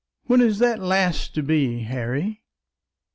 When is that last to be, Harry?"